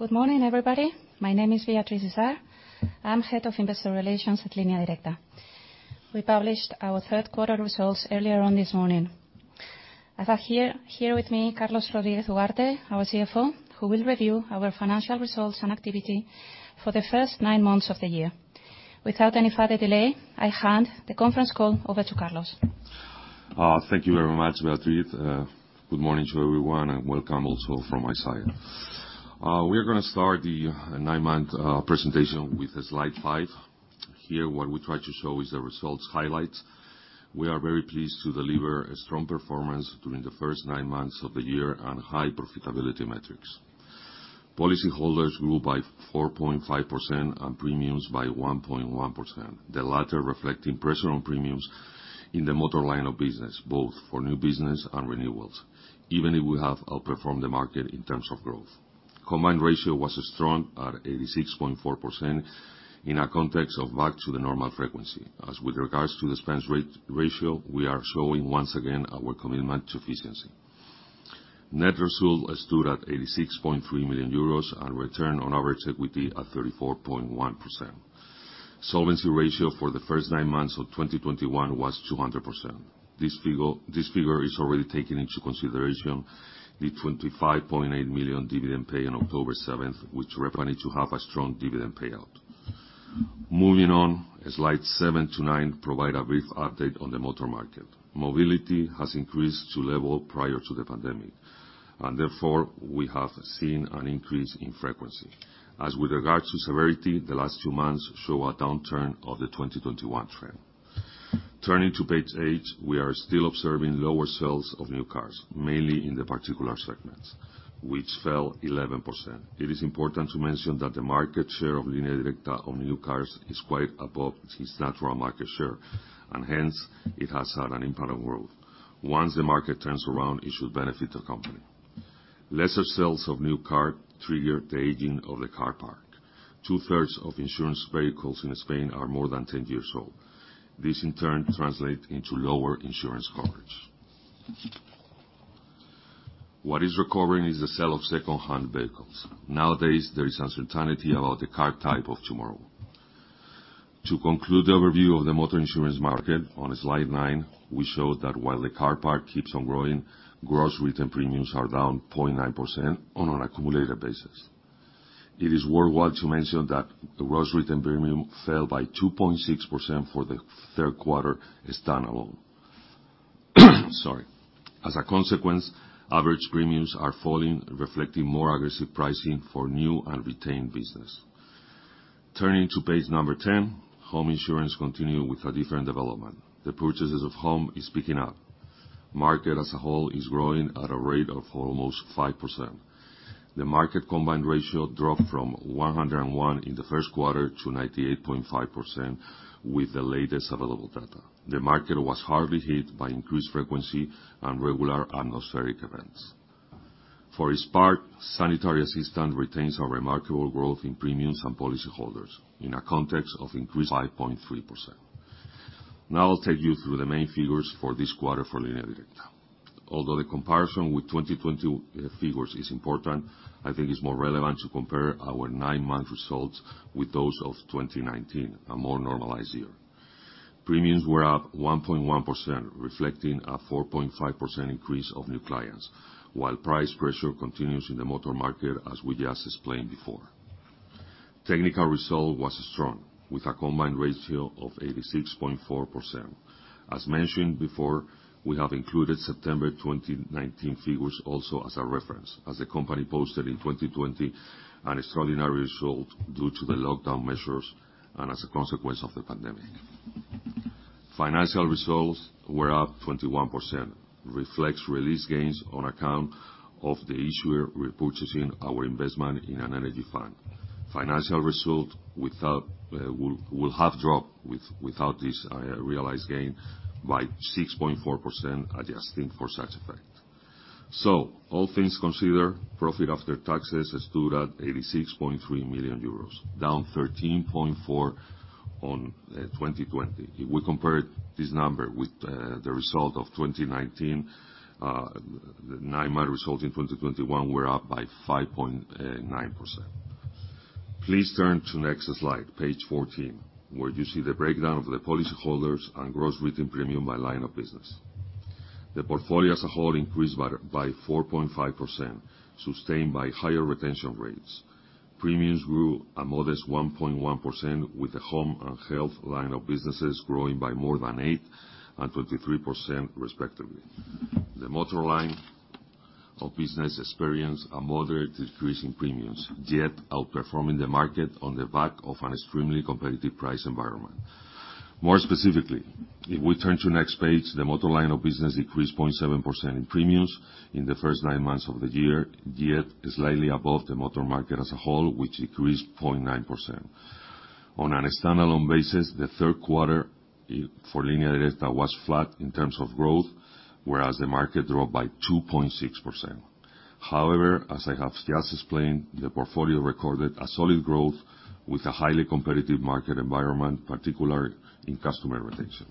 Good morning, everybody. My name is Beatriz Izard. I'm Head of Investor Relations at Línea Directa. We published our third quarter results earlier on this morning. I have here with me Carlos Rodríguez-Ugarte, our CFO, who will review our financial results and activity for the first nine months of the year. Without any further delay, I hand the conference call over to Carlos. Thank you very much, Beatriz. Good morning to everyone, and welcome also from my side. We're going to start the nine-month presentation with slide five. Here, what we try to show is the results highlights. We are very pleased to deliver a strong performance during the first nine months of the year on high profitability metrics. Policyholders grew by 4.5% and premiums by 1.1%, the latter reflecting pressure on premiums in the motor line of business, both for new business and renewals, even if we have outperformed the market in terms of growth. Combined ratio was strong at 86.4% in a context of back to the normal frequency. As with regards to expense ratio, we are showing once again our commitment to efficiency. Net result stood at 86.3 million euros and return on our equity at 34.1%. Solvency ratio for the first nine months of 2021 was 200%. This figure is already taking into consideration the 25.8 million dividend pay on October 7th, which represented to have a strong dividend payout. Moving on, slide seven to nine provide a brief update on the motor market. Mobility has increased to level prior to the pandemic, and therefore, we have seen an increase in frequency. As with regards to severity, the last two months show a downturn of the 2021 trend. Turning to page eight, we are still observing lower sales of new cars, mainly in the particular segments, which fell 11%. It is important to mention that the market share of Línea Directa on new cars is quite above its natural market share, and hence, it has had an impact on growth. Once the market turns around, it should benefit the company. Lesser sales of new car trigger the aging of the car park. Two-thirds of insurance vehicles in Spain are more than 10 years old. This in turn translate into lower insurance coverage. What is recovering is the sale of second-hand vehicles. Nowadays, there is uncertainty about the car type of tomorrow. To conclude the overview of the motor insurance market, on slide 9, we show that while the car park keeps on growing, gross written premiums are down 0.9% on an accumulated basis. It is worthwhile to mention that the gross written premium fell by 2.6% for the third quarter standalone. As a consequence, average premiums are falling, reflecting more aggressive pricing for new and retained business. Turning to page number 10, home insurance continues with a different development. The purchase of home is picking up. Market as a whole is growing at a rate of almost 5%. The market combined ratio dropped from 101 in the first quarter to 98.5% with the latest available data. The market was hardly hit by increased frequency and regular atmospheric events. For its part, health insurance retains a remarkable growth in premiums and policyholders in a context of increased 5.3%. Now I'll take you through the main figures for this quarter for Línea Directa. Although the comparison with 2020 figures is important, I think it's more relevant to compare our nine-month results with those of 2019, a more normalized year. Premiums were up 1.1%, reflecting a 4.5% increase of new clients, while price pressure continues in the motor market, as we just explained before. Technical result was strong, with a combined ratio of 86.4%. As mentioned before, we have included September 2019 figures also as a reference, as the company posted in 2020 an extraordinary result due to the lockdown measures and as a consequence of the pandemic. Financial results were up 21%, reflects release gains on account of the issuer repurchasing our investment in an energy fund. Financial result will have dropped without this realized gain by 6.4%, adjusting for such effect. All things considered, profit after taxes stood at 86.3 million euros, down 13.4% on 2020. If we compare this number with the result of 2019, the nine-month results in 2021 were up by 5.9%. Please turn to next slide, page 14, where you see the breakdown of the policyholders and gross written premiums by line of business. The portfolio as a whole increased by 4.5%, sustained by higher retention rates. Premiums grew a modest 1.1% with the home and health line of businesses growing by more than 8% and 23% respectively. The motor line of business experienced a moderate decrease in premiums, yet outperforming the market on the back of an extremely competitive price environment. More specifically, if we turn to next page, the motor line of business decreased 0.7% in premiums in the first nine months of the year, yet slightly above the motor market as a whole, which decreased 0.9%. On a standalone basis, the third quarter for Línea Directa was flat in terms of growth, whereas the market dropped by 2.6%. However, as I have just explained, the portfolio recorded a solid growth with a highly competitive market environment, particularly in customer retention.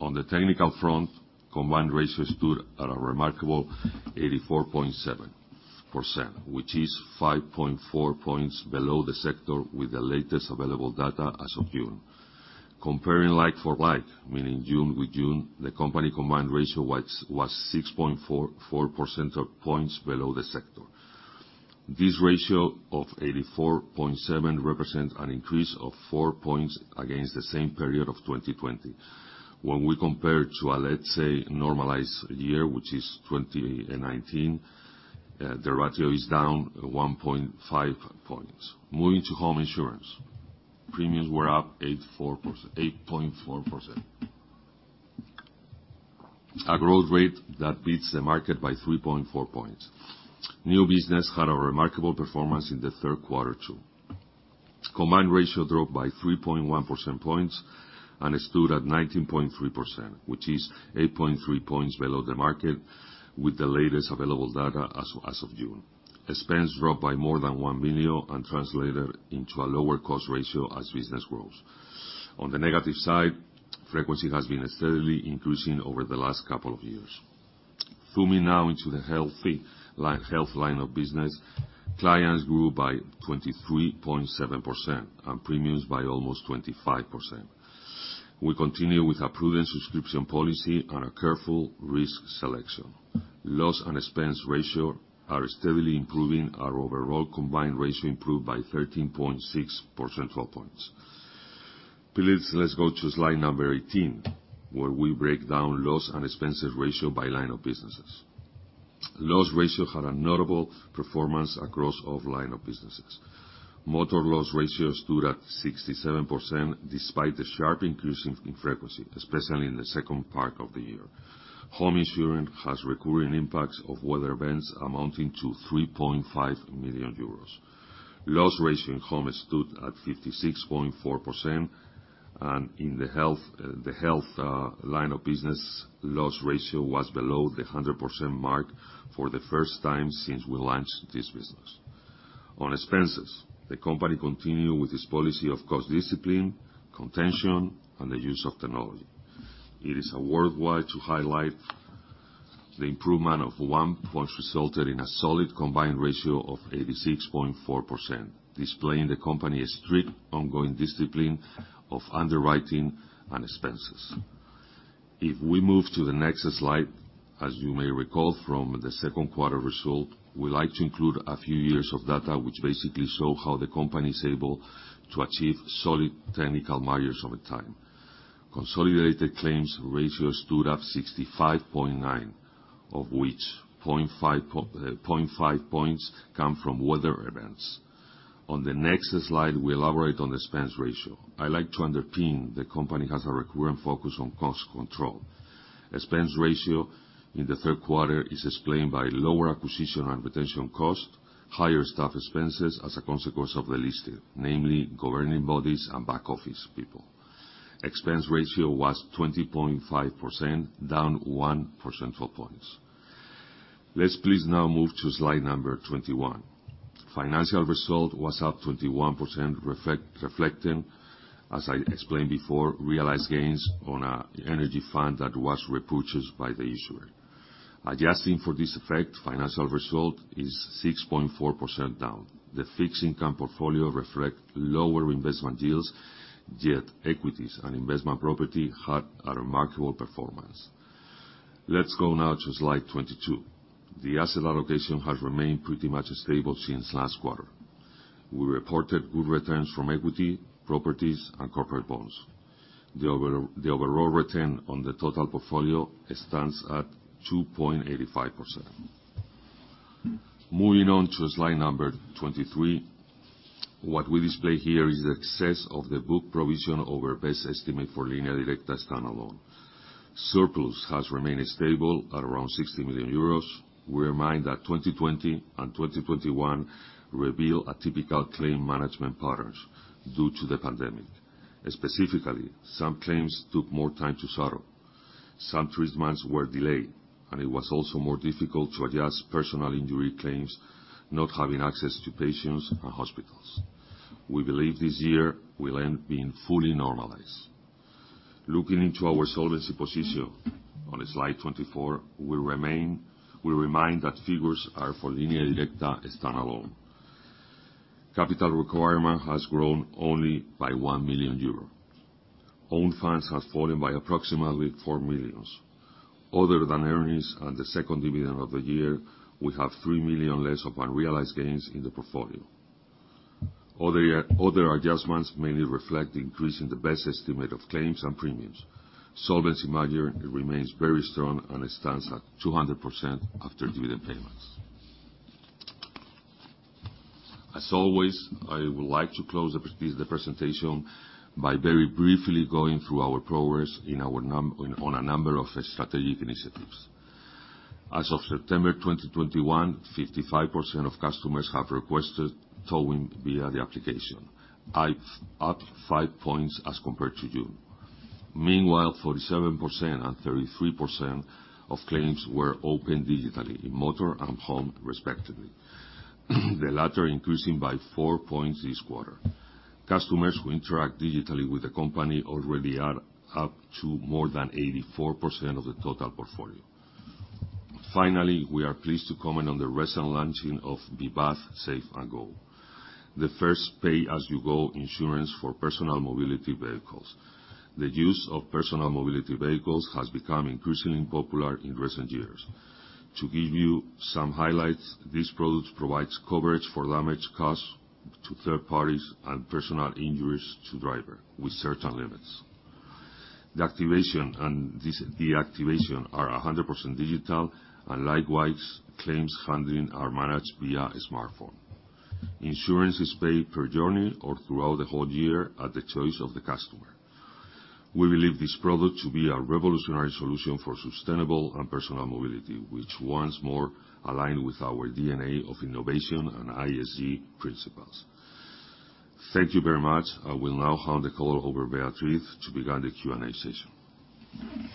On the technical front, combined ratio stood at a remarkable 84.7%, which is 5.4 points below the sector, with the latest available data as of June. Comparing like for like, meaning June with June, the company combined ratio was 6.4% points below the sector. This ratio of 84.7 represents an increase of four points against the same period of 2020. When we compare to a, let's say, normalized year, which is 2019, the ratio is down 1.5 points. Moving to home insurance. Premiums were up 8.4%, a growth rate that beats the market by 3.4 points. New business had a remarkable performance in the third quarter, too. Combined ratio dropped by 3.1 percentage points and it stood at 19.3%, which is 8.3 percentage points below the market, with the latest available data as of June. Expenses dropped by more than 1 million and translated into a lower expense ratio as business grows. On the negative side, frequency has been steadily increasing over the last couple of years. Zooming now into the health line of business, clients grew by 23.7% and premiums by almost 25%. We continue with a prudent subscription policy and a careful risk selection. Loss and expense ratio are steadily improving. Our overall combined ratio improved by 13.6 percentage points. Please, let's go to slide number 18, where we break down loss and expense ratio by line of businesses. Loss ratio had a notable performance across all line of businesses. Motor loss ratio stood at 67%, despite the sharp increase in frequency, especially in the second part of the year. Home insurance has recurring impacts of weather events amounting to 3.5 million euros. Loss ratio in home stood at 56.4%. In the health line of business, loss ratio was below the 100% mark for the first time since we launched this business. On expenses, the company continued with its policy of cost discipline, contention, and the use of technology. It is worthwhile to highlight the improvement of one points resulted in a solid combined ratio of 86.4%, displaying the company's strict ongoing discipline of underwriting and expenses. We move to the next slide, as you may recall from the second quarter result, we like to include a few years of data which basically show how the company is able to achieve solid technical measures over time. Consolidated loss ratio stood at 65.9%, of which 0.5 points come from weather events. On the next slide, we elaborate on the expense ratio. I like to underpin the company has a recurring focus on cost control. Expense ratio in the third quarter is explained by lower acquisition and retention cost, higher staff expenses as a consequence of the listing, namely governing bodies and back-office people. Expense ratio was 20.5%, down 1 percentage points. Let's please now move to slide number 21. Financial result was up 21%, reflecting, as I explained before, realized gains on a energy fund that was repurchased by the issuer. Adjusting for this effect, financial result is 6.4% down. The fixed income portfolio reflects lower investment yields, yet equities and investment property had a remarkable performance. Let's go now to slide 22. The asset allocation has remained pretty much stable since last quarter. We reported good returns from equity, properties, and corporate bonds. The overall return on the total portfolio stands at 2.85%. Moving on to slide number 23. What we display here is the excess of the book provision over best estimate for Línea Directa standalone. Surplus has remained stable at around 60 million euros. We remind that 2020 and 2021 reveal atypical claim management patterns due to the pandemic. Specifically, some claims took more time to settle. Some treatments were delayed, and it was also more difficult to adjust personal injury claims not having access to patients and hospitals. We believe this year will end being fully normalized. Looking into our solvency position on slide 24, we remind that figures are for Línea Directa standalone. Capital requirement has grown only by 1 million euros. Own funds have fallen by approximately 4 million. Other than earnings and the second dividend of the year, we have 3 million less of unrealized gains in the portfolio. Other adjustments mainly reflect the increase in the best estimate of claims and premiums. Solvency measure remains very strong, and it stands at 200% after dividend payments. As always, I would like to close the presentation by very briefly going through our progress on a number of strategic initiatives. As of September 2021, 55% of customers have requested towing via the application, up five points as compared to June. Meanwhile, 47% and 33% of claims were opened digitally in motor and home respectively. The latter increasing by four points this quarter. Customers who interact digitally with the company already are up to more than 84% of the total portfolio. Finally, we are pleased to comment on the recent launching of Vivaz Safe & Go, the first pay-as-you-go insurance for personal mobility vehicles. The use of personal mobility vehicles has become increasingly popular in recent years. To give you some highlights, this product provides coverage for damage caused to third parties and personal injuries to driver with certain limits. The activation and deactivation are 100% digital, and likewise, claims handling are managed via smartphone. Insurance is paid per journey or throughout the whole year at the choice of the customer. We believe this product to be a revolutionary solution for sustainable and personal mobility, which once more aligned with our DNA of innovation and ESG principles. Thank you very much. I will now hand the call over Beatriz to begin the Q&A session.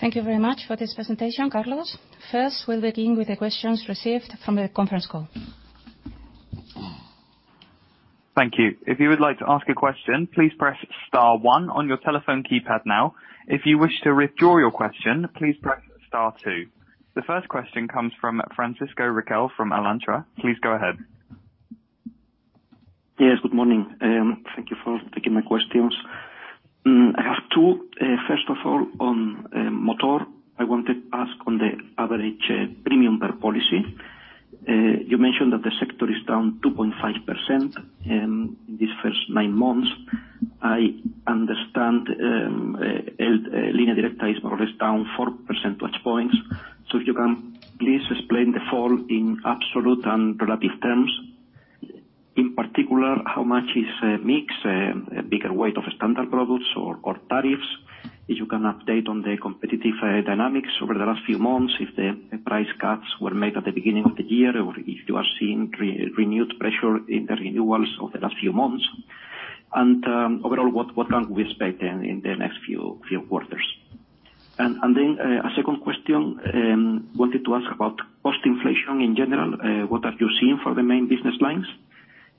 Thank you very much for this presentation, Carlos. First, we'll begin with the questions received from the conference call. Thank you, if you would like to ask a question, please press star one on your telephone keypad now. If you wish to withdraw your question press star two. The first question comes from Francisco Riquel from Alantra. Please go ahead. Yes, good morning. Thank you for taking my questions. I have two. First of all, on Motor, I want to ask on the average premium per policy. You mentioned that the sector is down 2.5% in these first nine months. I understand Línea Directa is more or less down four percentage points. If you can please explain the fall in absolute and relative terms. In particular, how much is mix, a bigger weight of standard products or tariffs? If you can update on the competitive dynamics over the last few months, if the price cuts were made at the beginning of the year, or if you are seeing renewed pressure in the renewals over the last few months. Overall, what can we expect in the next few quarters? A second question, wanted to ask about cost inflation in general. What are you seeing for the main business lines?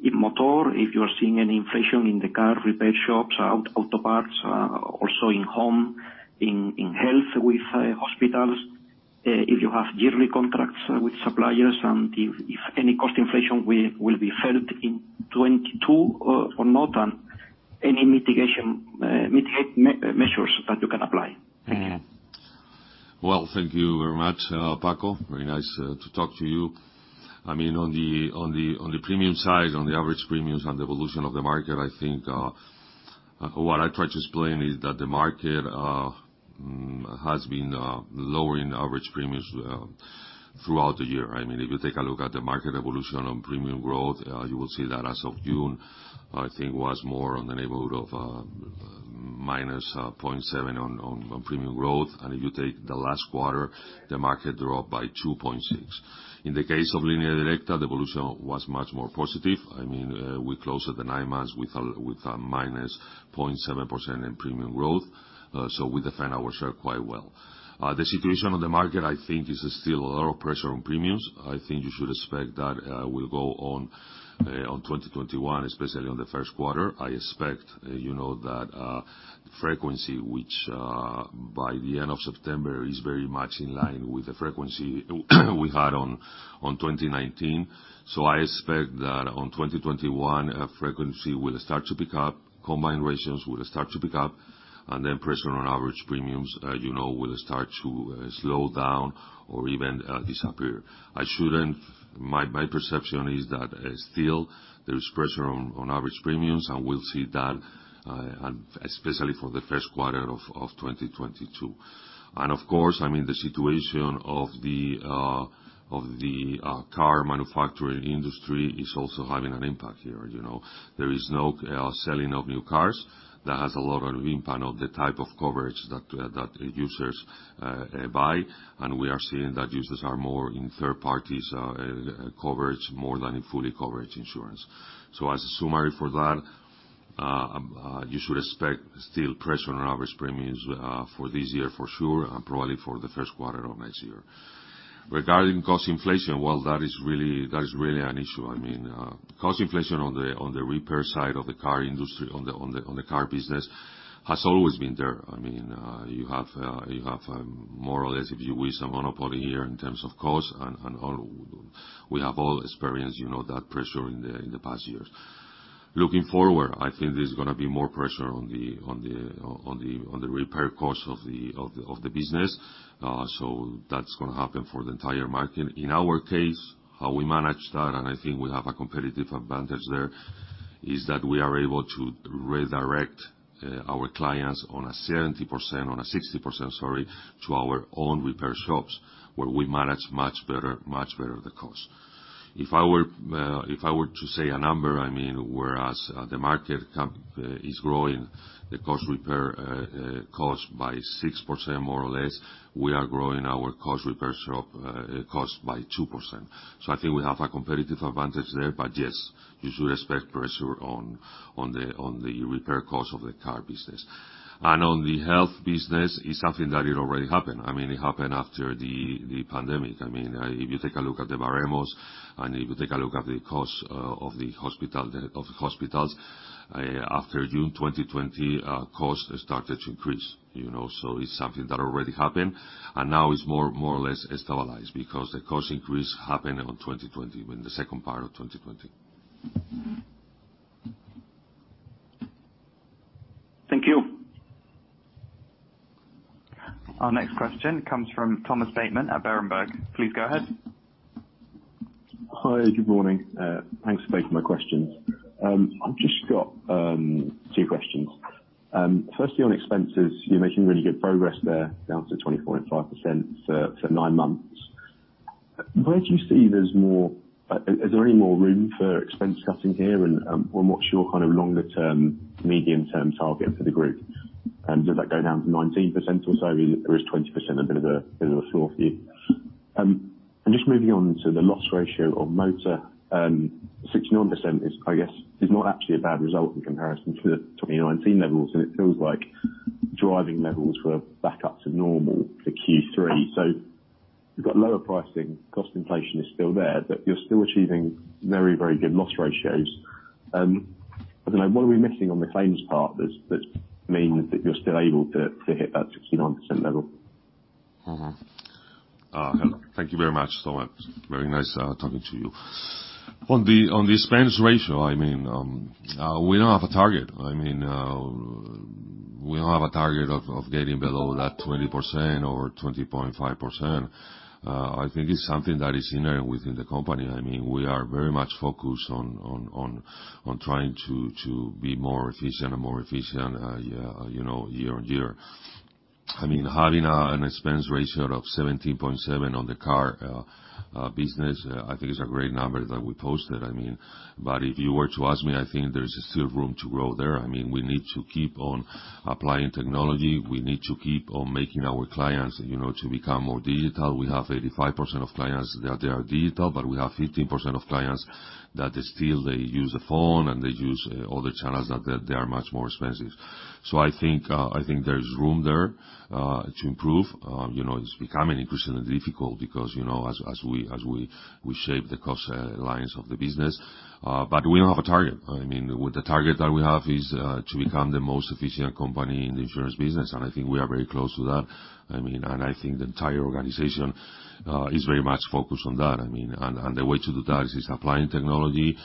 In Motor, if you are seeing any inflation in the car repair shops, auto parts, also in home, in health with hospitals, if you have yearly contracts with suppliers and if any cost inflation will be felt in 2022 or not, and any mitigate measures that you can apply. Thank you. Well, thank you very much. [inaudible] Very nice to talk to you. On the premium side, on the average premiums and the evolution of the market, I think what I try to explain is that the market has been lowering average premiums throughout the year. If you take a look at the market evolution on premium growth, you will see that as of June, I think was more on the neighborhood of -0.7% on premium growth. If you take the last quarter, the market dropped by 2.6%. In the case of Línea Directa, the evolution was much more positive. We closed the nine months with a -0.7% in premium growth. We defend our share quite well. The situation on the market, I think is still a lot of pressure on premiums. I think you should expect that will go on 2021, especially on the first quarter. I expect that frequency, which by the end of September is very much in line with the frequency we had on 2019. I expect that on 2021, frequency will start to pick up, combined ratios will start to pick up, pressure on average premiums will start to slow down or even disappear. My perception is that still there is pressure on average premiums, we'll see that especially for the first quarter of 2022. Of course, the situation of the car manufacturing industry is also having an impact here. There is no selling of new cars. That has a lot of impact on the type of coverage that users buy. We are seeing that users are more in third parties coverage more than in fully coverage insurance. As a summary for that, you should expect still pressure on average premiums for this year for sure, and probably for the first quarter of next year. Regarding cost inflation, well, that is really an issue. Cost inflation on the repair side of the car industry, on the car business has always been there. You have more or less, if you wish, a monopoly here in terms of cost, and we have all experienced that pressure in the past years. Looking forward, I think there's going to be more pressure on the repair cost of the business. That's going to happen for the entire market. In our case, how we manage that, and I think we have a competitive advantage there, is that we are able to redirect our clients on a 60% to our own repair shops, where we manage much better the cost. If I were to say a number, whereas the market is growing the cost repair cost by 6% more or less, we are growing our cost repair shop cost by 2%. I think we have a competitive advantage there. Yes, you should expect pressure on the repair cost of the car business. On the health business, it's something that it already happened. It happened after the pandemic. If you take a look at the [Non- English word]and if you take a look at the cost of hospitals, after June 2020, cost started to increase. It's something that already happened, and now it's more or less stabilized because the cost increase happened on 2020, in the second part of 2020. Thank you. Our next question comes from Thomas Bateman at Berenberg. Please go ahead. Hi. Good morning. Thanks for taking my questions. I've just got two questions. Firstly, on expenses, you're making really good progress there, down to 20.5% for nine months. Is there any more room for expense cutting here, and what's your longer-term, medium-term target for the group? Does that go down to 19% or so? There is 20% a bit of a floor for you. Just moving on to the loss ratio of motor, 69%, I guess, is not actually a bad result in comparison to the 2019 levels. It feels like driving levels were back up to normal for Q3. You've got lower pricing. Cost inflation is still there, but you're still achieving very good loss ratios. I don't know. What are we missing on the claims part that means that you're still able to hit that 69% level? Hello. Thank you very much, Thomas. Very nice talking to you. On the expense ratio, we don't have a target. We don't have a target of getting below that 20% or 20.5%. I think it's something that is inherent within the company. We are very much focused on trying to be more efficient and more efficient year-on-year. Having an expense ratio of 17.7% on the car business, I think it's a great number that we posted. If you were to ask me, I think there's still room to grow there. We need to keep on applying technology. We need to keep on making our clients to become more digital. We have 85% of clients that they are digital, but we have 15% of clients that still use the phone, and they use other channels that they are much more expensive. I think there is room there to improve. It's becoming increasingly difficult because as we shape the cost lines of the business. We don't have a target. The target that we have is to become the most efficient company in the insurance business, and I think we are very close to that. I think the entire organization is very much focused on that. The way to do that is applying technology,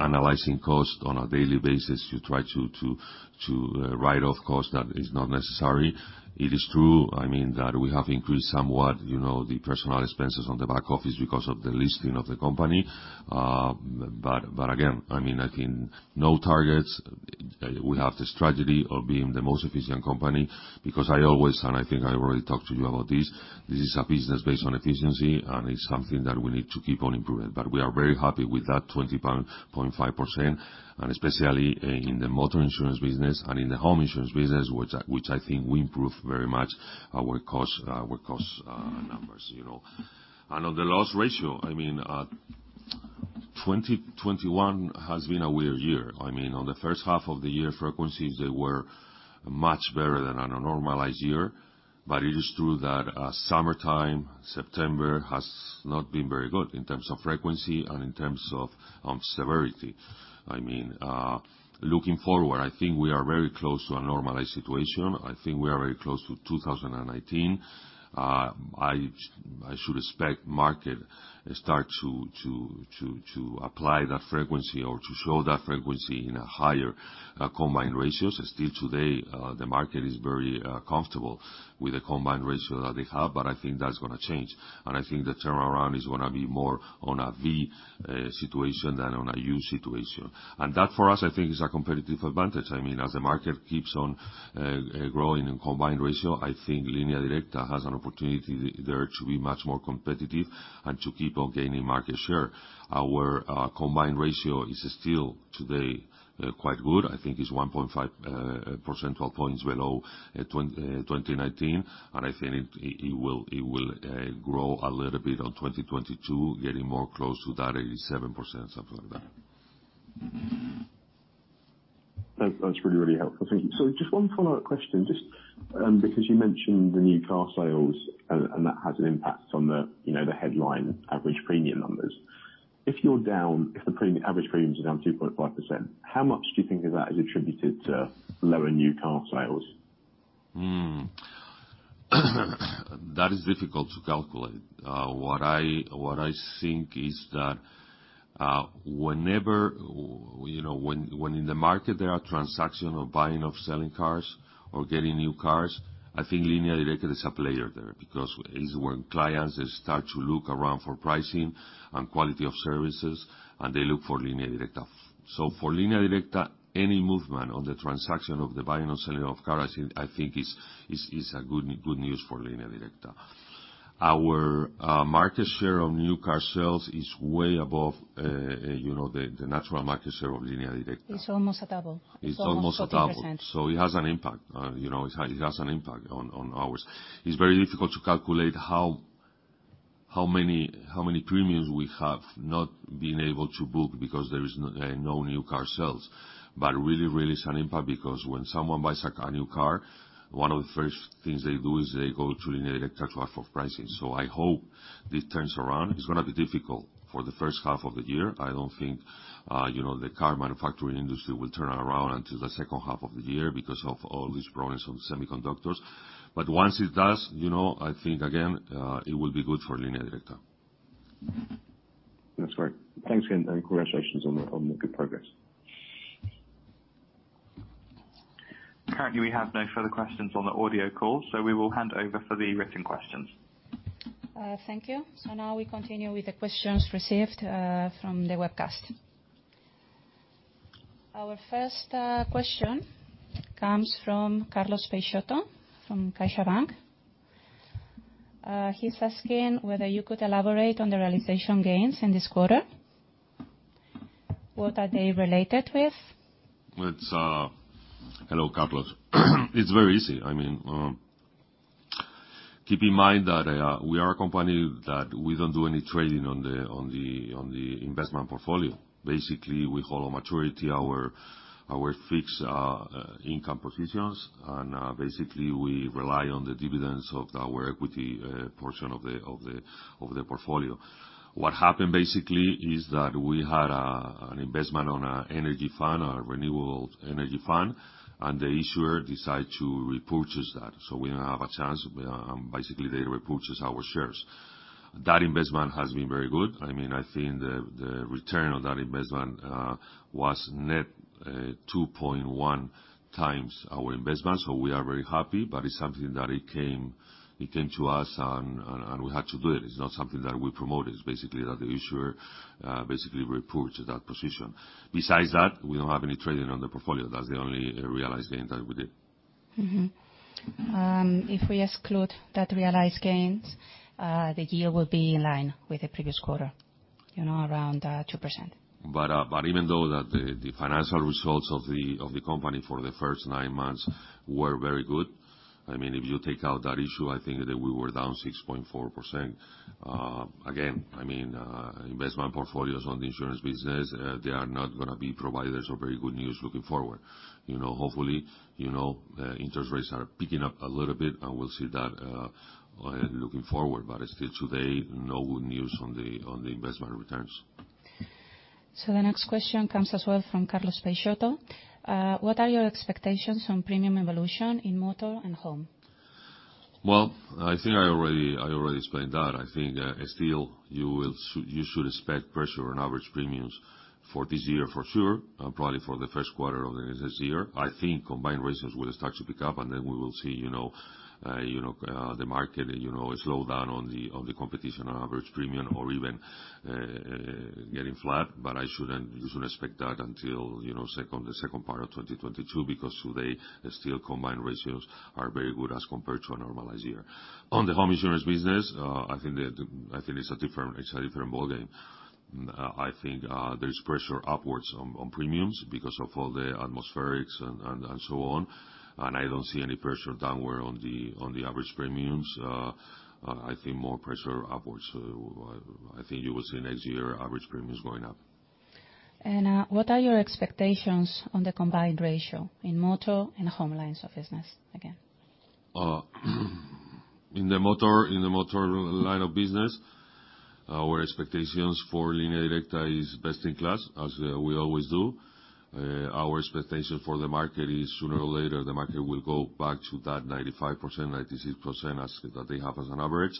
analyzing costs on a daily basis to try to write off costs that is not necessary. It is true that we have increased somewhat the personal expenses on the back office because of the listing of the company. Again, I think no targets. We have this strategy of being the most efficient company because I always, and I think I already talked to you about this is a business based on efficiency, and it's something that we need to keep on improving. We are very happy with that 20.5%, and especially in the motor insurance business and in the home insurance business, which I think we improved very much our cost numbers. On the loss ratio, 2021 has been a weird year. On the first half of the year, frequencies, they were much better than on a normalized year. It is true that summertime, September, has not been very good in terms of frequency and in terms of severity. Looking forward, I think we are very close to a normalized situation. I think we are very close to 2019. I should expect market start to apply that frequency or to show that frequency in higher combined ratios. Still today, the market is very comfortable with the combined ratio that they have, but I think that's going to change. I think the turnaround is going to be more on a V situation than on a U situation. That, for us, I think, is a competitive advantage. As the market keeps on growing in combined ratio, I think Línea Directa has an opportunity there to be much more competitive and to keep on gaining market share. Our combined ratio is still today quite good. I think it's 1.5 percentile points below 2019, and I think it will grow a little bit on 2022, getting more close to that 87%, something like that. That's really helpful. Thank you. Just one follow-up question, just because you mentioned the new car sales, and that has an impact on the headline average premium numbers. If the average premiums are down 2.5%, how much do you think of that is attributed to lower new car sales? That is difficult to calculate. What I think is that whenever in the market there are transaction of buying of selling cars or getting new cars, I think Línea Directa is a player there because it is when clients, they start to look around for pricing and quality of services, and they look for Línea Directa. For Línea Directa, any movement on the transaction of the buying or selling of cars, I think is good news for Línea Directa. Our market share of new car sales is way above the natural market share of Línea Directa. It's almost double. It's almost double. It's almost 14%. It has an impact. It has an impact on ours. It's very difficult to calculate how many premiums we have not been able to book because there is no new car sales. Really it's an impact because when someone buys a new car, one of the first things they do is they go to Línea Directa to ask for pricing. I hope this turns around. It's going to be difficult for the first half of the year. I don't think the car manufacturing industry will turn around until the second half of the year because of all these problems on semiconductors. Once it does, I think, again, it will be good for Línea Directa. That's great. Thanks again, and congratulations on the good progress. Currently, we have no further questions on the audio call, so we will hand over for the written questions. Thank you. Now we continue with the questions received from the webcast. Our first question comes from Carlos Peixoto from CaixaBank. He's asking whether you could elaborate on the realization gains in this quarter. What are they related with? Hello, Carlos. It's very easy. Keep in mind that we are a company that we don't do any trading on the investment portfolio. Basically, we hold maturity our fixed income positions, and basically, we rely on the dividends of our equity portion of the portfolio. What happened basically is that we had an investment on an energy fund, a renewable energy fund, and the issuer decided to repurchase that. We didn't have a chance. Basically, they repurchased our shares. That investment has been very good. I think the return on that investment was net 2.1x our investment. We are very happy, but it's something that it came to us and we had to do it. It's not something that we promote. It's basically that the issuer basically repurchased that position. Besides that, we don't have any trading on the portfolio. That's the only realized gain that we did. If we exclude that realized gains, the year will be in line with the previous quarter, around 2%. Even though that the financial results of the company for the first nine months were very good, if you take out that issue, I think that we were down 6.4%. Again, investment portfolios on the insurance business, they are not going to be providers of very good news looking forward. Hopefully, interest rates are picking up a little bit, and we will see that looking forward. Still today, no good news on the investment returns. The next question comes as well from Carlos Peixoto. What are your expectations on premium evolution in motor and home? Well, I think I already explained that. I think, still, you should expect pressure on average premiums for this year for sure, probably for the first quarter of the next year. I think combined ratios will start to pick up. Then we will see the market slow down on the competition on average premium or even getting flat. You shouldn't expect that until the second part of 2022, because today, still combined ratios are very good as compared to a normalized year. On the home insurance business, I think it's a different ball game. I think there's pressure upwards on premiums because of all the atmospherics and so on. I don't see any pressure downward on the average premiums. I think more pressure upwards. I think you will see next year average premiums going up. What are your expectations on the combined ratio in motor and home lines of business again? In the motor line of business, our expectations for Línea Directa is best in class, as we always do. Our expectation for the market is sooner or later, the market will go back to that 95%, 96% that they have as an average.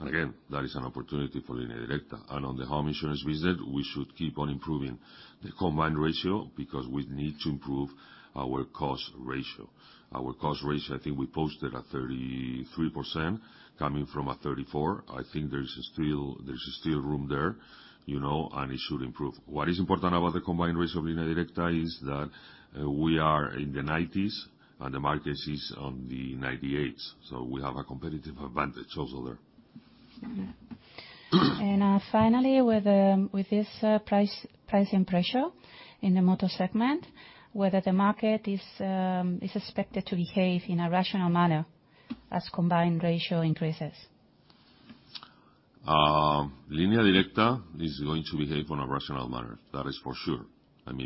Again, that is an opportunity for Línea Directa. On the home insurance business, we should keep on improving the combined ratio because we need to improve our expense ratio. Our expense ratio, I think we posted at 33% coming from a 34%. I think there's still room there, and it should improve. What is important about the combined ratio of Línea Directa is that we are in the 90s and the market is on the 98s, so we have a competitive advantage also there. Finally, with this pricing pressure in the motor segment, whether the market is expected to behave in a rational manner as combined ratio increases. Línea Directa is going to behave on a rational manner. That is for sure.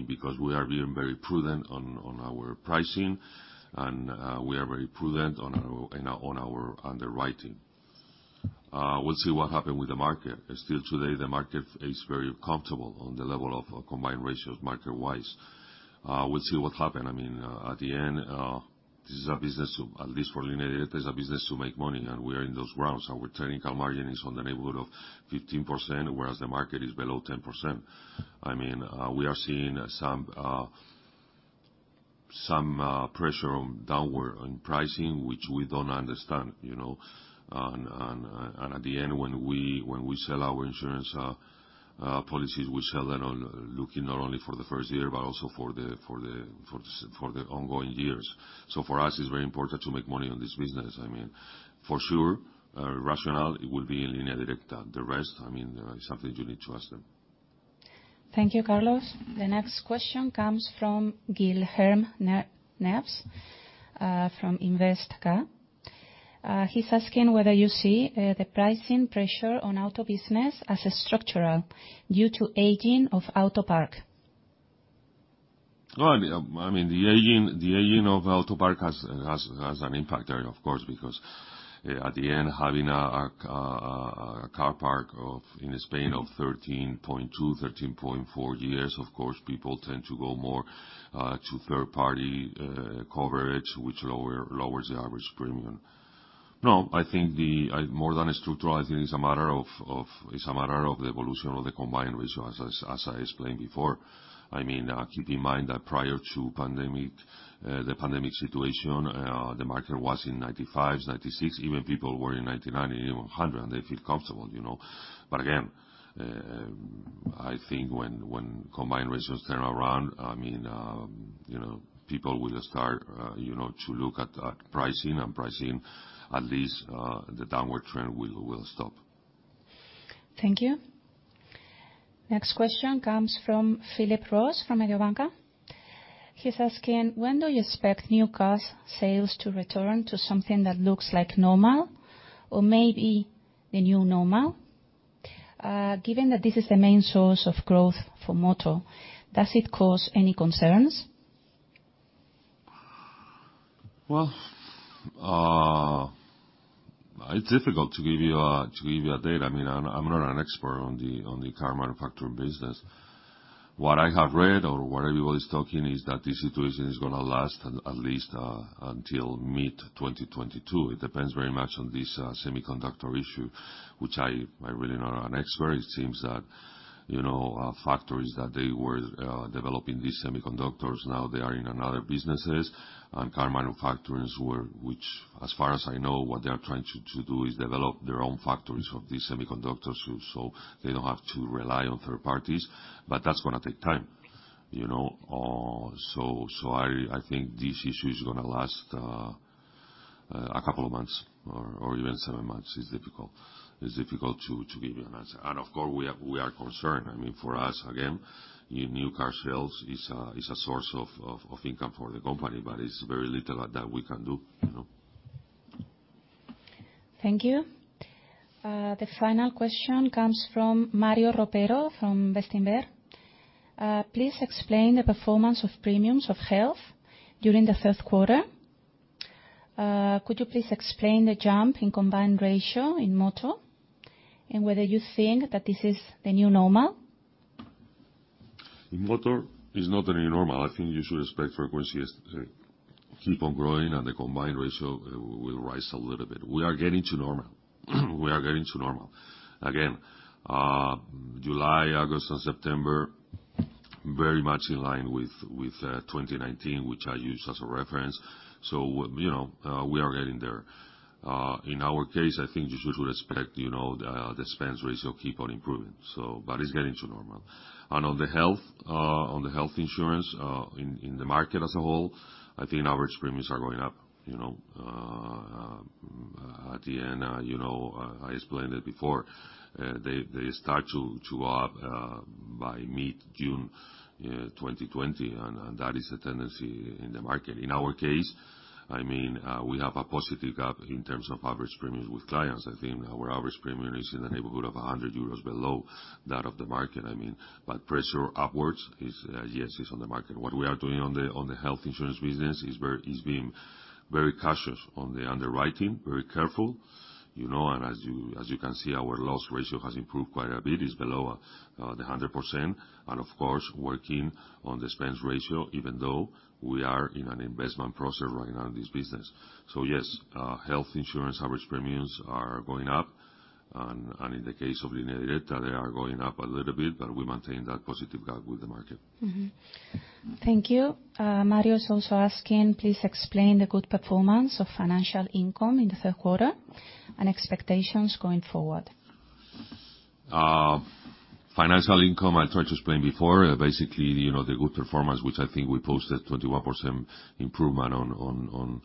Because we are being very prudent on our pricing and we are very prudent on our underwriting. We'll see what happen with the market. Still today, the market is very comfortable on the level of combined ratios, marketwise. We'll see what happen. At the end, this is a business, at least for Línea Directa, is a business to make money, and we are in those grounds. Our technical margin is on the neighborhood of 15%, whereas the market is below 10%. We are seeing some pressure downward on pricing, which we don't understand. At the end, when we sell our insurance policies, we sell them looking not only for the first year but also for the ongoing years. So, for us, it's very important to make money on this business. For sure, rational, it will be in Línea Directa. The rest is something you need to ask them. Thank you, Carlos. The next question comes from Guilherme Neves from Invest Gestão. He's asking whether you see the pricing pressure on auto business as structural due to aging of auto park. The aging of auto park has an impact there, of course, because at the end, having a car park in Spain of 13.2, 13.4 years, of course, people tend to go more to third-party coverage, which lowers the average premium. No, I think more than structural, I think it's a matter of the evolution of the combined ratio, as I explained before. Keep in mind that prior to the pandemic situation, the market was in 95, 96. Even people were in 99 and even 100, and they feel comfortable. Again, I think when combined ratios turn around, people will start to look at pricing, and pricing, at least the downward trend will stop. Thank you. Next question comes from Philip Ross, from Mediobanca. He's asking, when do you expect new car sales to return to something that looks like normal, or maybe the new normal? Given that this is the main source of growth for motor, does it cause any concerns? Well, it's difficult to give you a date. I'm not an expert on the car manufacturing business. What I have read or what everybody's talking is that the situation is going to last at least until mid-2022. It depends very much on this semiconductor issue, which I'm really not an expert. It seems that factories that they were developing these semiconductors, now they are in another business. Car manufacturers, which as far as I know, what they are trying to do is develop their own factories of these semiconductors, so they don't have to rely on third parties. That's going to take time. I think this issue is going to last a couple of months, or even seven months. It's difficult to give you an answer. Of course, we are concerned. For us, again, new car sales is a source of income for the company, but it's very little that we can do. Thank you. The final question comes from Mario Ropero from Bestinver. Please explain the performance of premiums of health during the third quarter. Could you please explain the jump in combined ratio in motor, and whether you think that this is the new normal? In motor, it's not the new normal. I think you should expect frequencies keep on growing and the combined ratio will rise a little bit. We are getting to normal. We are getting to normal. Again, July, August, and September, very much in line with 2019, which I use as a reference. We are getting there. In our case, I think you should expect the expense ratio keep on improving. It's getting to normal. On the health insurance in the market as a whole, I think average premiums are going up. At the end, I explained it before, they start to go up by mid-June 2020, and that is a tendency in the market. In our case, we have a positive gap in terms of average premiums with clients. I think our average premium is in the neighborhood of 100 euros below that of the market. Pressure upwards, yes, it's on the market. What we are doing on the health insurance business is being very cautious on the underwriting, very careful. As you can see, our loss ratio has improved quite a bit. It's below the 100%. Of course, working on the expense ratio, even though we are in an investment process right now in this business. Yes, health insurance average premiums are going up, and in the case of Línea Directa, they are going up a little bit, but we maintain that positive gap with the market. Thank you. Mario is also asking, please explain the good performance of financial income in the third quarter, and expectations going forward. Financial income, I tried to explain before. Basically, the good performance, which I think we posted 21% improvement on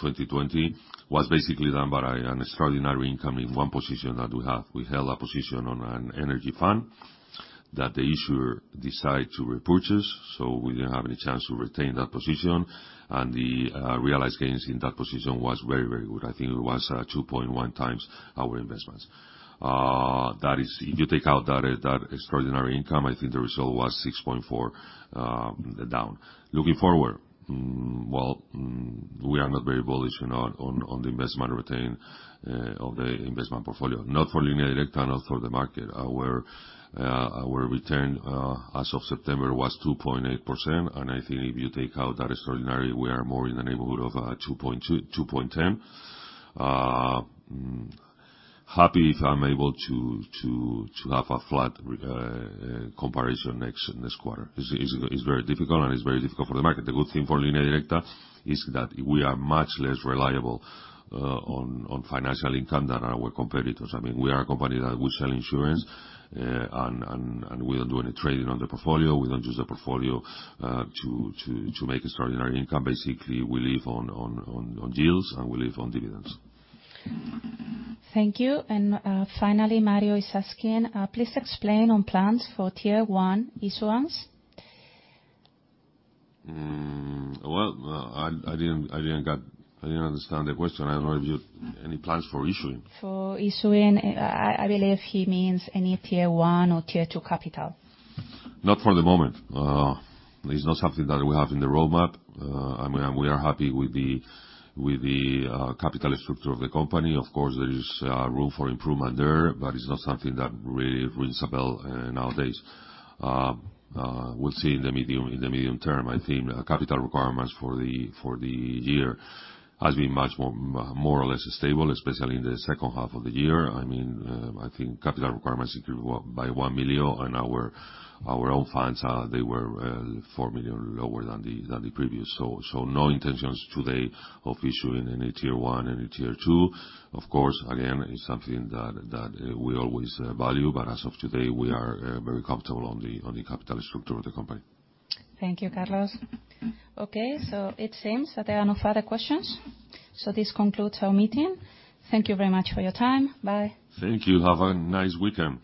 2020, was basically done by an extraordinary income in one position that we have. We held a position on an energy fund that the issuer decided to repurchase. We didn't have any chance to retain that position. The realized gains in that position was very, very good. I think it was 2.1x our investments. If you take out that extraordinary income, I think the result was 6.4 down. Looking forward, well, we are not very bullish on the investment return of the investment portfolio. Not for Línea Directa, not for the market. Our return as of September was 2.8%. I think if you take out that extraordinary, we are more in the neighborhood of 2.2%, 2.10%. Happy if I'm able to have a flat comparison next quarter. It's very difficult, and it's very difficult for the market. The good thing for Línea Directa is that we are much less reliable on financial income than our competitors. We are a company that we sell insurance, and we don't do any trading on the portfolio. We don't use the portfolio to make extraordinary income. Basically, we live on deals and we live on dividends. Thank you. Finally, Mario is asking, please explain on plans for Tier 1 issuance. Well, I didn't understand the question. Any plans for issuing? For issuing. I believe he means any Tier 1 or Tier 2 capital. Not for the moment. It's not something that we have in the roadmap. We are happy with the capital structure of the company. Of course, there is room for improvement there, but it's not something that rings a bell nowadays. We'll see in the medium term. I think capital requirements for the year has been more or less stable, especially in the second half of the year. I think capital requirements secured by 1 million, and our own funds, they were 4 million lower than the previous. No intentions today of issuing any Tier 1, any Tier 2. Of course, again, it's something that we always value, but as of today, we are very comfortable on the capital structure of the company. Thank you, Carlos. Okay, it seems that there are no further questions. This concludes our meeting. Thank you very much for your time. Bye. Thank you. Have a nice weekend.